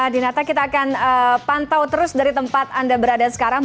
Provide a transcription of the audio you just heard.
dinata kita akan pantau terus dari tempat anda berada sekarang